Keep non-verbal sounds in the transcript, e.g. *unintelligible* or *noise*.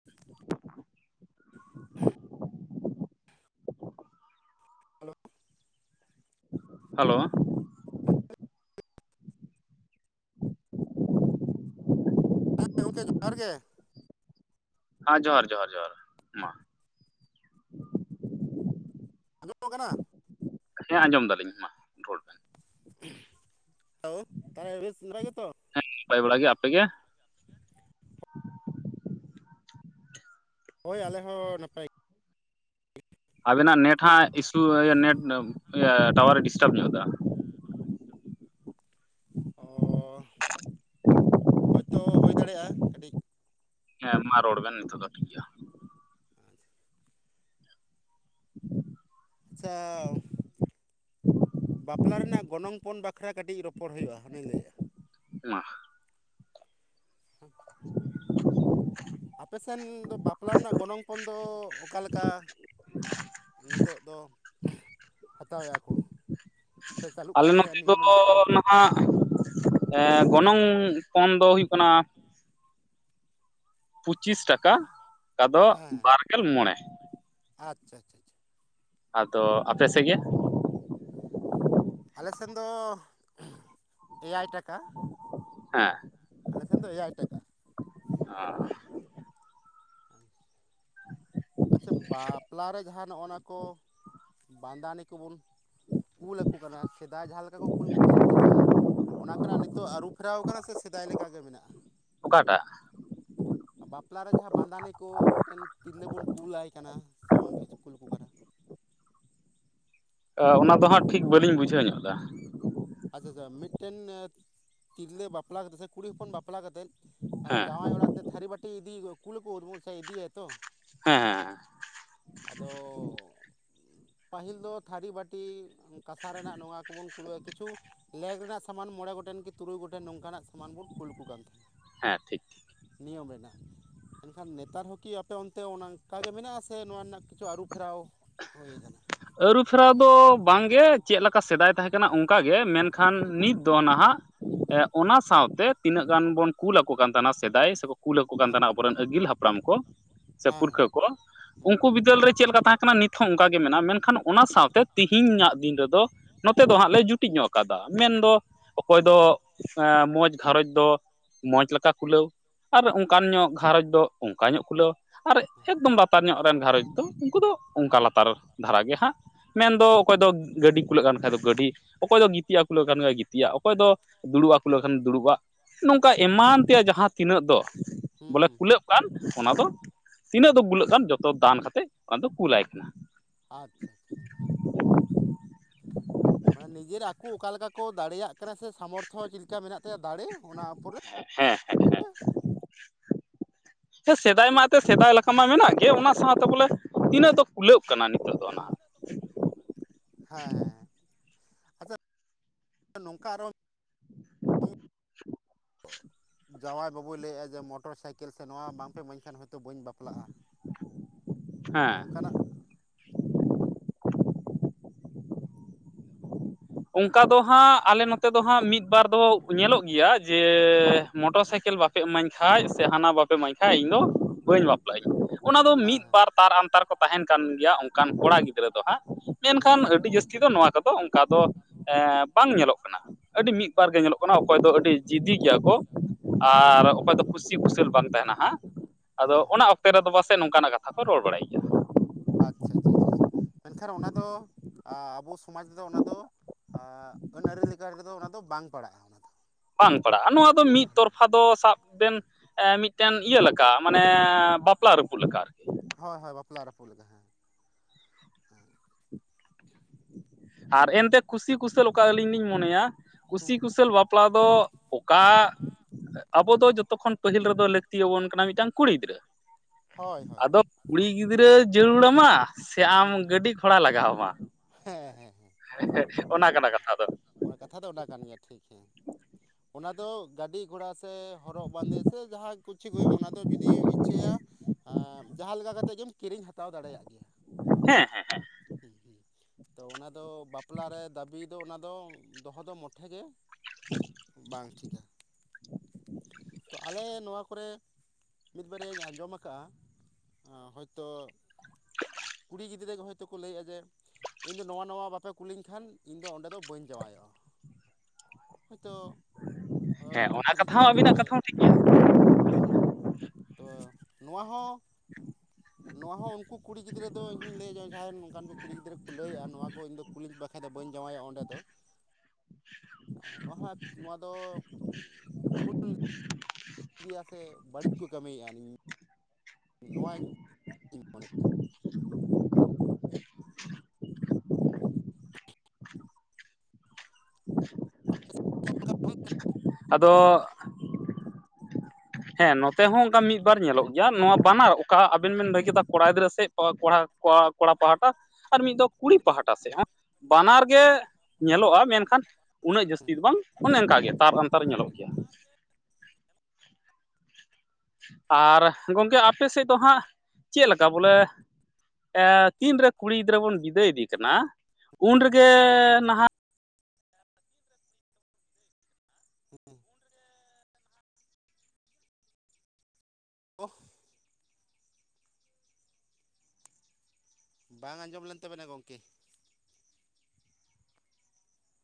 ᱼᱼ ᱼᱼ ᱼᱼ ᱦᱮᱞᱳ ᱜᱚᱢᱠᱮ ᱡᱚᱦᱟᱸᱨ ᱜᱮ ᱦᱮ ᱡᱚᱦᱟᱸᱨ ᱡᱚᱦᱟᱸᱨ ᱡᱚᱦᱟᱸᱨ ᱢᱟ ᱼᱼ ᱠᱟᱱᱟ ᱦᱮ ᱟᱡᱚᱢ ᱫᱟᱹᱞᱤᱧ ᱢᱟ ᱨᱟᱹᱲ ᱵᱤᱱ ᱦᱮᱞᱳ ᱛᱟᱦᱚᱞᱮ ᱵᱮᱥ ᱱᱟᱯᱟᱭ ᱜᱮᱛᱚ ᱦᱮ ᱱᱟᱯᱟᱭ ᱵᱟᱲᱟ ᱜᱮ ᱟᱯᱮ ᱜᱮ ᱦᱳᱭ ᱟᱞᱮ ᱦᱚ ᱱᱟᱯᱟᱭ ᱜᱮ ᱟᱹᱵᱤᱱᱟᱜ ᱱᱮᱴ ᱦᱟᱸᱜ ᱤᱥᱩ ᱱᱮᱴ ᱴᱟᱣᱟᱨ ᱰᱤᱥᱴᱟᱵ ᱧᱚᱜ ᱫᱟ᱾ ᱚ ᱦᱳᱭᱛᱳ ᱦᱳᱭ ᱫᱟᱲᱮᱭᱟᱜᱼᱟ ᱠᱟᱹᱴᱤᱡ᱾ ᱦᱮ ᱢᱟ ᱨᱚᱲ ᱵᱮᱱ ᱱᱤᱛᱚᱜ ᱫᱚ ᱴᱷᱤᱠ ᱜᱮᱭᱟ᱾ ᱟᱪᱪᱷᱟ᱾ ᱼᱼ *unintelligible* ᱟᱪᱪᱷᱟᱼᱼ ᱵᱟᱯᱞᱟ ᱨᱮᱭᱟᱜ ᱜᱚᱱᱚᱝ ᱯᱚᱱ ᱵᱟᱠᱷᱨᱟ ᱠᱟᱹᱴᱤᱡ ᱨᱚᱯᱚᱲ ᱦᱩᱭᱩᱜᱼᱟ ᱦᱟᱹᱱᱤ ᱞᱟᱹᱭ ᱫᱟ᱾ ᱢᱟ, ᱟᱯᱮᱥᱮᱱ ᱫᱚ ᱵᱟᱯᱞᱟ ᱨᱮᱱᱟᱜ ᱜᱚᱱᱚᱝ ᱯᱚᱱ ᱫᱚ ᱚᱠᱟ ᱞᱮᱠᱟ? ᱱᱤᱛᱚᱜ ᱫᱚ ᱦᱟᱛᱟᱣ ᱮᱭᱟ ᱠᱚ᱾ ᱥᱮ ᱪᱟᱹᱞᱩᱜ ᱟᱞᱮ ᱠᱟᱱᱟ ᱥᱮ ᱱᱚᱛᱮ ᱫᱚ ᱱᱤᱭᱚᱢ ᱨᱮᱱᱟᱜ ᱠᱟᱱ ᱛᱟᱯᱮ ᱱᱟᱦᱟᱜᱼᱼ ᱜᱚᱱᱚᱝ ᱯᱚᱱ ᱫᱚ ᱦᱩᱭᱩᱜ ᱠᱟᱱᱟᱼᱼ ᱯᱩᱪᱤᱥ ᱴᱟᱠᱟ ᱟᱫᱚ ᱦᱮᱸ ᱵᱟᱨᱜᱮᱞ ᱢᱚᱬᱮᱸ᱾ ᱟᱪᱪᱷᱟ ᱟᱪᱪᱷᱟ᱾ ᱟᱫᱚ ᱟᱯᱮ ᱥᱮᱫ ᱜᱮ? ᱟᱞᱮ ᱥᱮᱱ ᱫᱚ ᱮᱭᱟᱭ ᱴᱟᱠᱟ᱾ ᱦᱮᱸ ᱟᱞᱮ ᱥᱮᱱ ᱫᱚ ᱮᱭᱟᱭ ᱴᱟᱠᱟ ᱟᱪᱪᱷᱟ᱾ ᱟᱪᱪᱷᱟ ᱵᱟᱯᱟᱞᱟᱨᱮ ᱡᱟᱦᱟ ᱱᱚᱱᱟᱜ ᱠᱚ ᱵᱟᱸᱫᱟᱱᱤ ᱠᱚᱵᱚᱱ ᱠᱩᱞ ᱟᱠᱟᱼᱼ ᱥᱮᱫᱟᱭ ᱡᱟᱦᱟ ᱞᱮᱠᱟ ᱠᱚ ᱠᱩᱞ ᱠᱚ ᱠᱟᱱ ᱛᱟᱦᱮᱸᱱᱟᱼᱼ ᱚᱱᱟ ᱠᱷᱚᱱᱟᱜ ᱱᱤᱛᱚᱜ ᱟᱹᱨᱩ ᱯᱷᱮᱨᱟᱣ ᱟᱠᱟᱱᱟ ᱥᱮ ᱥᱮᱫᱟᱭ ᱞᱮᱠᱟ ᱜᱮ ᱢᱮᱱᱟᱜᱼᱟ᱾ ᱚᱠᱟ ᱴᱟᱸᱜᱼᱼ ᱵᱟᱯᱟᱞᱟ ᱨᱮ ᱡᱟᱦᱟ ᱵᱟᱫᱟᱱᱤ ᱠᱚ ᱢᱤᱫᱴᱮᱱ ᱛᱤᱨᱞᱟᱹ ᱵᱚᱱᱼᱼ ᱠᱩᱞ ᱟᱭ ᱠᱟᱱᱟ ᱥᱮ ᱵᱚᱱ ᱵᱷᱮᱡᱠᱩᱞ ᱟᱠᱚ ᱠᱟᱱᱟ᱾ ᱚᱱᱟ ᱫᱚ ᱦᱟᱸᱜ ᱴᱷᱤᱠ ᱵᱟᱝᱞᱤᱧ ᱵᱩᱡᱷᱟᱹᱣ ᱧᱚᱜ ᱫᱟ᱾ ᱟᱪᱪᱷᱟ ᱟᱪᱪᱷᱟ ᱢᱤᱫᱴᱮᱱ ᱛᱤᱨᱞᱟᱹ ᱵᱟᱯᱞᱟ ᱠᱟᱛᱮ ᱥᱮ ᱠᱩᱲᱤ ᱦᱚᱯᱚᱱ ᱵᱟᱯᱟᱞᱟ ᱠᱟᱛᱮᱫ᱾ ᱦᱮᱸ ᱡᱟᱶᱟᱭ ᱚᱲᱟᱜ ᱛᱮ ᱛᱷᱟᱹᱨᱤ ᱵᱟᱹᱴᱤ ᱤᱫᱤ ᱠᱩᱞ ᱟᱠᱚ ᱥᱮ ᱤᱫᱤ ᱟᱭ ᱛᱚ᱾ ᱦᱮᱸ ᱦᱮᱸ ᱟᱫᱚ ᱯᱟᱹᱦᱤᱞ ᱫᱚ ᱛᱷᱟᱹᱨᱤ ᱵᱟᱹᱴᱤᱼᱼ ᱠᱤ ᱠᱟᱥᱟ ᱨᱮᱱᱟᱜ ᱱᱚᱣᱟ ᱠᱚᱵᱚᱱ ᱠᱩᱞ ᱟᱭᱟᱼᱼ ᱠᱤᱪᱷᱩ ᱞᱮᱜ ᱨᱮᱱᱟᱜ ᱥᱟᱢᱟᱱ ᱢᱚᱬᱮᱸ ᱜᱚᱴᱟᱝ ᱠᱤ ᱛᱩᱨᱩᱭ ᱜᱚᱴᱟᱜ ᱱᱚᱝ ᱠᱟᱱᱟᱜ ᱥᱟᱢᱟᱱ ᱵᱚᱱ ᱠᱩᱞ ᱟᱠᱚ ᱠᱟᱱ ᱛᱟᱦᱮᱸᱱᱟ᱾ ᱦᱮ ᱴᱷᱤᱠ᱾ ᱱᱤᱭᱚᱢ ᱨᱮᱱᱟᱜᱼᱼ ᱢᱮᱱᱠᱷᱟᱱ ᱱᱮᱛᱟᱨ ᱦᱚᱠᱤ ᱟᱯᱮ ᱚᱱᱛᱮ ᱚᱱᱠᱟ ᱜᱮ ᱢᱮᱱᱟᱜ ᱥᱮ ᱱᱚᱣᱟ ᱨᱮᱱᱟᱜ ᱠᱤᱪᱷᱩ ᱟᱹᱨᱩ ᱯᱷᱮᱨᱟᱣᱼᱼ ᱦᱩᱭ ᱟᱠᱟᱱᱟ᱾ ᱟᱹᱨᱩ ᱯᱷᱮᱨᱟᱣ ᱫᱚ ᱵᱟᱝ ᱜᱮ ᱪᱮᱫ ᱞᱮᱠᱟ ᱥᱮᱫᱟᱭ ᱛᱟᱦᱮ ᱠᱟᱱᱟ ᱚᱱᱠᱟ ᱜᱮ ᱢᱮᱱᱠᱷᱟᱱ ᱱᱤᱛᱼᱼ ᱫᱚ ᱱᱟᱦᱟᱜ ᱦᱮᱸ ᱚᱱᱟ ᱥᱟᱶᱟᱛᱮ ᱛᱤᱱᱟᱹᱜ ᱜᱟᱱ ᱵᱚᱱ ᱠᱩᱞ ᱠᱟᱱ ᱛᱟᱦᱮᱸᱱᱟ ᱥᱮᱫᱟᱭ ᱥᱮ᱾ ᱠᱩᱞ ᱟᱠᱚ ᱠᱟᱱ ᱦᱮᱸ ᱛᱟᱦᱮᱸᱱᱟ ᱟᱵᱚᱨᱮᱱ ᱟᱹᱜᱤᱞ ᱦᱟᱯᱲᱟᱢ ᱠᱚ ᱥᱮ ᱦᱮᱸ ᱯᱩᱨᱠᱷᱟᱹ ᱠᱚ ᱩᱱᱠᱩ ᱦᱮᱸ ᱵᱤᱫᱟᱹᱞ ᱨᱮ ᱪᱮᱫ ᱞᱮᱠᱟ ᱛᱟᱦᱮᱸᱼᱼ ᱠᱟᱱᱟ ᱱᱤᱛ ᱦᱚ ᱚᱱᱠᱟᱜᱮ ᱢᱮᱱᱟᱜᱼᱟ ᱢᱮᱱᱠᱷᱟᱱ ᱚᱱᱟ ᱥᱟᱶᱛᱮᱼᱼ ᱛᱮᱦᱮᱧᱟᱜ ᱫᱤᱱ ᱨᱮᱫᱚ ᱱᱚᱛᱮ ᱫᱚ ᱦᱟᱸᱜ ᱞᱮ ᱡᱩᱴᱤᱡ ᱧᱚᱜ ᱟᱠᱟᱫᱟ᱾ ᱢᱮᱱᱫᱚ ᱚᱠᱚᱭ ᱫᱚ ᱢᱚᱡᱽ ᱜᱷᱟᱨᱚᱸᱡᱽ ᱫᱚ᱾ ᱢᱚᱡᱽ ᱞᱮᱠᱟ ᱠᱷᱩᱞᱟᱹᱣ ᱟᱨ ᱚᱱᱠᱟᱱ ᱧᱚᱜ ᱜᱷᱟᱨᱚᱸᱡᱽ ᱫᱚ ᱚᱱᱠᱟ ᱧᱚᱜ ᱠᱷᱩᱞᱟᱹᱣ᱾ ᱟᱨ ᱮᱠᱫᱚᱢ ᱞᱟᱛᱟᱨ ᱧᱚᱜ ᱨᱮᱱ ᱜᱷᱟᱨᱚᱸᱡᱽ ᱫᱚ ᱩᱱᱠᱩ ᱫᱚ ᱚᱱᱠᱟ ᱞᱟᱛᱟᱨ ᱫᱷᱟᱨᱟ ᱜᱮ ᱦᱟᱸᱜ᱾ ᱢᱮᱱᱫᱚ ᱚᱠᱚᱭ ᱫᱚ ᱜᱟᱹᱰᱤ ᱠᱩᱞᱟᱹᱜ ᱠᱟᱱ ᱠᱷᱟᱡ ᱫᱚ ᱜᱟᱹᱰᱤ ᱚᱠᱚᱭ ᱫᱚ ᱜᱤᱛᱤᱡᱟᱜ ᱠᱩᱞᱟᱹᱜ ᱠᱟᱱ ᱠᱷᱟᱡ ᱜᱤᱛᱤᱡᱼᱟ᱾ ᱚᱠᱚᱭ ᱫᱚ ᱫᱩᱲᱩᱵ ᱟᱠᱚ ᱞᱮᱠᱷᱟᱱ ᱫᱩᱲᱩᱵᱼᱟ᱾ ᱱᱚᱝᱠᱟ ᱮᱢᱟᱱ ᱛᱮᱭᱟᱜ ᱡᱟᱦᱟᱸ ᱛᱤᱱᱟᱹᱜ ᱫᱚ ᱦᱮᱸ ᱵᱚᱞᱮ ᱦᱮᱸ ᱠᱩᱞᱟᱹᱜ ᱠᱟᱱ ᱚᱱᱟ ᱫᱚ᱾ ᱛᱤᱱᱟᱹᱜ ᱫᱚ ᱜᱩᱞᱟᱹᱜ ᱠᱟᱱ ᱡᱚᱛᱚ ᱫᱟᱱ ᱠᱟ ᱠᱟᱛᱮᱫ ᱚᱱᱟ ᱫᱚ ᱠᱩᱞᱟᱭ ᱠᱟᱱᱟ᱾ ᱟᱪᱪᱷᱟ ᱪᱪᱷᱟ ᱢᱟᱱᱮ ᱱᱤᱡᱮᱨ ᱟᱠᱚ ᱚᱠᱟ ᱞᱮᱠᱟ ᱠᱚ ᱫᱟᱲᱮᱭᱟᱜ ᱠᱟᱱᱟ ᱥᱮ ᱥᱟᱢᱚᱨᱛᱷᱚ ᱪᱮᱫ ᱞᱮᱠᱟ ᱢᱮᱱᱟᱜ ᱛᱟᱭᱟ ᱫᱟᱲᱮ ᱚᱱᱟ ᱯᱚᱨᱮ ᱦᱮᱸ ᱦᱮ ᱥᱮᱫᱟᱭ ᱢᱟ ᱥᱮᱫᱟᱭ ᱞᱮᱠᱟ ᱢᱟ ᱢᱮᱱᱟᱜ ᱜᱮ ᱚᱱᱟ ᱥᱟᱶᱛᱮ ᱵᱚᱞᱮ ᱛᱤᱱᱟᱹᱜ ᱫᱚ ᱠᱩᱞᱟᱹᱜ ᱠᱟᱱᱟ ᱱᱤᱛᱚᱜ ᱫᱚ ᱚᱱᱟ ᱦᱮᱸ ᱦᱮᱸ ᱦᱮᱸ ᱟᱪᱪᱷᱟ ᱱᱚᱝᱠᱟ ᱟᱨᱚ ᱡᱟᱶᱟᱭ ᱵᱟᱵᱩᱭ ᱞᱟᱹᱭᱮᱫᱼᱟ ᱡᱮ ᱢᱚᱴᱚᱨ ᱥᱟᱭᱠᱮᱞ ᱥᱮ ᱱᱚᱣᱟ ᱵᱟᱝ ᱯᱮ ᱤᱢᱟᱹᱧ ᱠᱷᱟᱱ ᱦᱚᱭᱛᱚ ᱵᱟᱹᱧ ᱵᱟᱯ ᱵᱟᱯᱞᱟᱜᱼᱟ ᱦᱮᱸ ᱱᱚᱝᱠᱟᱱᱟᱜ ᱚᱱᱠᱟ ᱫᱚ ᱦᱟᱸᱜ ᱟᱞᱮ ᱱᱚᱛᱮ ᱫᱚ ᱦᱟᱸᱜ ᱢᱤᱫ ᱵᱟᱨ ᱫᱚ ᱧᱮᱞᱚᱜ ᱜᱮᱭᱟ ᱡᱮ ᱢᱚᱴᱚᱨ ᱥᱟᱭᱠᱮᱞ ᱵᱟᱠᱷ ᱯᱮ ᱤᱢᱟᱹᱧ ᱠᱷᱟᱡ ᱥᱮ ᱦᱟᱱᱟ ᱵᱟᱯ ᱢᱟᱹᱧ ᱠᱷᱟᱡ ᱤᱧ ᱫᱚ ᱵᱟᱹᱧ ᱵᱟᱯᱞᱟᱜᱟᱹᱧ ᱚᱱᱟ ᱫᱚ ᱦᱮᱸ ᱢᱤᱫ ᱵᱟᱨ ᱛᱟᱨ ᱟᱱᱛᱟᱨ ᱠᱚ ᱛᱟᱦᱮᱱ ᱠᱟᱱ ᱜᱮᱭᱟ ᱚᱱᱠᱟᱱ ᱠᱚᱲᱟ ᱜᱤᱫᱽ ᱜᱤᱫᱽᱨᱟᱹ ᱫᱚ ᱦᱟᱸᱜ ᱦᱮᱸ ᱢᱮᱱᱠᱷᱟᱱ ᱟᱹᱰᱤ ᱡᱟᱹᱥᱛᱤ ᱫᱚ ᱱᱚᱣᱟ ᱠᱚᱫᱚ ᱚᱱᱠᱟ ᱫᱚ ᱵᱟᱝ ᱧᱮᱞᱚᱜ ᱠᱟᱱᱟ᱾ ᱟᱹᱰᱤ ᱢᱤᱫ ᱵᱟᱨ ᱜᱮ ᱧᱮᱞᱚᱜ ᱠᱟᱱᱟ ᱚᱠᱚᱭ ᱫᱚ ᱟᱹᱰᱤ ᱡᱤᱫᱤ ᱜᱮᱭᱟ ᱠᱚ ᱦᱮᱸ ᱦᱮᱸ ᱟᱨ, ᱚᱠᱚᱭ ᱫᱚ ᱠᱩᱥᱤ ᱠᱩᱥᱟᱹᱞ ᱵᱟᱝ ᱛᱟᱦᱮᱱᱟ ᱦᱟᱸᱜ ᱟᱫᱚ ᱦᱮᱸ ᱚᱱᱟ ᱚᱠᱛᱮ ᱨᱮᱫᱚ ᱯᱟᱥᱮᱡ ᱱᱚᱝᱠᱟᱱᱟᱜ ᱠᱟᱛᱷᱟ ᱠᱚ ᱨᱚᱲ ᱵᱟᱲᱟᱭ ᱜᱮᱭᱟ᱾ ᱟᱪᱪᱷᱟ ᱟᱪᱪᱷᱟ ᱪᱷᱟ ᱢᱮᱱᱠᱷᱟᱱ ᱚᱱᱟ ᱫᱚ ᱟᱵᱚ ᱥᱚᱢᱟᱡᱽ ᱨᱮᱫᱚ ᱚᱱᱟ ᱫᱚ ᱟ ᱟᱹᱱ ᱟᱹᱨᱤ ᱞᱮᱠᱟ ᱨᱮᱫᱚ ᱚᱱᱟᱫᱚ ᱵᱟᱝ ᱯᱟᱲᱟᱜᱼᱟ *unintelligible* ᱵᱟᱝ ᱯᱟᱲᱟᱜᱼᱟ ᱱᱚᱣᱟ ᱫᱚ ᱢᱤᱫ ᱛᱚᱨᱯᱷᱟ ᱫᱚ ᱥᱟᱵ ᱵᱮᱱ ᱢᱤᱫᱴᱮᱱ ᱦᱮᱸ ᱤᱭᱟᱹ ᱞᱮᱠᱟ ᱢᱟᱱᱮ ᱵᱟᱯᱞᱟ ᱨᱟᱹᱯᱩᱫ ᱞᱮᱠᱟ ᱾ ᱦᱳᱭ ᱦᱳᱭ ᱵᱟᱯᱞᱟ ᱨᱟᱹᱯᱩᱫ ᱞᱮᱠᱟ ᱦᱮᱸ᱾ *unintelligible* ᱟᱨ ᱮᱱᱛᱮ ᱠᱩᱥᱤ ᱠᱩᱥᱟᱹᱞ ᱚᱠᱟ ᱟᱹᱞᱤᱧ ᱞᱤᱧ ᱢᱚᱱᱮᱭᱟ ᱠᱩᱥᱤ ᱦᱮᱸ ᱠᱩᱥᱟᱹᱞ ᱵᱟᱯᱞᱟ ᱫᱚ, ᱚᱠᱟ *unintelligible* ᱟᱵᱚ ᱫᱚ ᱡᱚᱛᱚ ᱠᱷᱚᱱ ᱯᱟᱹᱦᱤᱞ ᱨᱮᱫᱚ ᱞᱟᱹᱠᱛᱤᱭᱟᱵᱚᱱ ᱠᱟᱱᱟ ᱢᱤᱫᱴᱟᱝ ᱠᱩᱲᱤ ᱜᱤᱫᱽᱨᱟᱹ ᱦᱳᱭ ᱦᱳᱭ ᱟᱫᱚ, ᱦᱮᱸ ᱠᱩᱲᱤ ᱜᱤᱫᱽᱨᱟᱹ ᱡᱟᱹᱨᱩᱲᱢᱟ ᱥᱮ ᱟᱢ ᱜᱟᱹᱰᱤ ᱜᱷᱚᱲᱟ ᱞᱟᱜᱟᱣᱢᱟ᱾ ᱦᱮᱸ ᱦᱮᱸᱦᱮᱸ *unintelligible* ᱚᱱᱟ ᱠᱟᱱᱟ ᱠᱟᱛᱷᱟ ᱫᱚ᱾ ᱚᱱᱟ ᱠᱟᱛᱷᱟ ᱫᱚ ᱚᱱᱟ ᱠᱟᱱ ᱜᱮᱭᱟ ᱴᱷᱤᱠ ᱦᱮᱸ ᱚᱱᱟ ᱫᱚ ᱜᱟᱹᱰᱤ ᱜᱷᱚᱲᱟᱼᱼ ᱥᱮ ᱦᱚᱨᱚᱜ ᱵᱟᱸᱫᱮ ᱥᱮ ᱡᱟᱦᱟᱸ ᱠᱤᱪᱷᱩ ᱦᱩᱭᱩᱜ ᱚᱱᱟ ᱫᱚ ᱡᱩᱫᱤ ᱤᱪᱪᱷᱟᱹᱭᱟ ᱡᱟᱦᱟᱸ ᱞᱮᱠᱟ ᱠᱟᱛᱮᱫ ᱜᱮᱢ ᱠᱤᱨᱤᱧ ᱦᱟᱛᱟᱣ ᱫᱟᱲᱮᱭᱟᱜ ᱜᱮᱭᱟ᱾ ᱦᱮᱸ ᱦᱮᱸ *unintelligible* ᱛᱚ ᱚᱱᱟᱫᱚ ᱵᱟᱯᱞᱟ ᱨᱮ ᱫᱟᱹᱵᱤ ᱫᱚ ᱚᱱᱟ ᱫᱚ ᱫᱚᱦᱚ ᱫᱚ ᱢᱩᱴᱷᱮ ᱜᱮ ᱵᱟᱝ ᱴᱷᱤᱠᱟ᱾ ᱛᱚ ᱟᱞᱮ ᱱᱚᱣᱟ ᱠᱚᱨᱮᱼ ᱢᱤᱫ ᱵᱟᱨᱭᱟᱧ ᱟᱸᱡᱚᱢ ᱟᱠᱟᱫ ᱟ ᱦᱚᱭᱛᱚ *inaudible* ᱠᱩᱲᱤ ᱜᱤᱫᱽᱨᱟᱹ ᱜᱮ ᱦᱚᱭᱛᱳ ᱠᱚ ᱞᱟᱹᱭᱮᱫᱼᱟ ᱡᱮ, ᱤᱧ ᱫᱚ ᱱᱚᱣᱟ ᱱᱟ ᱵᱟᱯᱮ ᱠᱩᱞᱤᱧ ᱠᱷᱟᱱ ᱤᱧ ᱫᱚ ᱚᱸᱰᱮ ᱫᱚ ᱵᱟᱹᱧ ᱡᱟᱶᱟᱭᱚᱜᱼᱟ᱾ ᱦᱚᱭᱛᱳ ᱦᱮᱸ ᱚᱱᱟ ᱯᱷᱨᱤᱡᱽ ᱠᱟᱛᱷᱟ ᱦᱚᱸ ᱠᱩᱞᱟᱹᱧ ᱟᱹᱵᱤᱱᱟᱜ ᱯᱮ ᱠᱟᱛᱷᱟ ᱦᱚᱸ ᱴᱷᱤᱠ ᱜᱮᱭᱟ᱾ ᱛᱚ ᱱᱚᱣᱟ ᱦᱚᱸ, ᱱᱚᱣᱟ ᱦᱚᱸ ᱩᱱᱠᱩ ᱠᱩᱲᱤ ᱜᱤᱫᱽᱨᱟᱹ, ᱤᱧ ᱦᱩᱧ ᱞᱟᱹᱭᱟ ᱡᱮ ᱡᱟᱦᱟᱸᱭ ᱱᱚᱝᱠᱟᱱ ᱠᱚ ᱠᱩᱲᱤ ᱜᱤᱫᱽᱨᱟᱹ ᱠᱚ ᱞᱟᱹᱭᱮᱫᱼᱟ ᱱᱚᱣᱟ ᱠᱚ ᱤᱧ ᱫᱚ ᱠᱩᱞᱤᱧ ᱵᱟᱠᱷᱨᱟ ᱫᱚ ᱵᱟᱹᱧ ᱡᱟᱣᱟᱭᱚᱜ-ᱟ ᱚᱸᱰᱮ ᱫᱚ ᱱᱚᱣᱟ ᱦᱚᱸ ᱱᱚᱣᱟ ᱫᱚ ᱵᱷᱩᱞ *inaudible* *unintelligible* ᱜᱮᱭᱟ ᱥᱮ ᱵᱟᱹᱲᱤᱡ ᱠᱚ ᱠᱟᱹᱢᱤᱭᱮᱜᱼᱟ ᱱᱚᱣᱟ ᱤᱧ *unintelligible* ᱢᱚᱱᱮ *unintelligible* ᱟᱫᱚ, ᱦᱮᱸ ᱱᱚᱛᱮ ᱦᱚᱸ ᱚᱱᱠᱟ ᱢᱤᱫᱵᱟᱨ ᱧᱮᱞᱚᱜ ᱜᱮᱭᱟ ᱱᱚᱣᱟ ᱵᱟᱱᱟ ᱚᱠᱟ ᱟᱵᱮᱱ ᱵᱮᱱ ᱞᱟᱹᱭ ᱠᱮᱫᱟ ᱠᱚᱲᱟ ᱜᱤᱫᱽᱨᱟᱹ ᱥᱮᱜ *unintelligible* ᱠᱚᱲᱟ ᱠᱚᱲᱟ ᱯᱟᱦᱴᱟ ᱟᱨ ᱢᱤᱫ ᱫᱚ ᱠᱩᱲᱤ ᱯᱟᱦᱴᱟ ᱥᱮᱜ ᱦᱟᱸᱜ᱾ ᱵᱟᱱᱟᱨ ᱜᱮ ᱧᱮᱞᱚᱜᱼᱟ ᱢᱮᱱᱠᱷᱟᱱ ᱩᱱᱟᱹᱜ ᱡᱟᱹᱥᱛᱤ ᱫᱚ ᱵᱟᱝ ᱚᱱᱮ ᱚᱱᱠᱟᱜᱮ ᱛᱟᱨ ᱟᱱᱛᱟᱨ ᱧᱮᱞᱚᱜ ᱜᱮᱭᱟ, ᱟᱨ ᱜᱚᱝᱠᱮ ᱟᱯᱮ ᱥᱮᱫ ᱫᱚ ᱦᱟᱸᱜ ᱪᱮᱫ ᱠᱮᱞᱟ ᱵᱚᱞᱮ? ᱮᱸ ᱛᱤᱱᱨᱮ ᱠᱩᱲᱤ ᱜᱤᱫᱽᱨᱟᱹ ᱵᱚᱱ ᱵᱤᱫᱟᱹ ᱤᱫᱤᱭᱮ ᱠᱟᱱᱟ ᱩᱱ ᱨᱮᱜᱮ ᱱᱟᱦᱟᱜ ᱦᱮᱸᱜ ᱮᱸ ᱾ *unintelligible* ᱵᱟᱝ ᱟᱸᱡᱚᱢ ᱞᱮᱱ ᱛᱟᱵᱮᱱᱟ ᱜᱚᱢᱠᱮ,